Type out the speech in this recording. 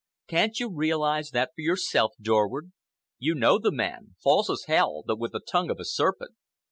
Can't you realize that for yourself, Dorward? You know the man—false as Hell but with the tongue of a serpent.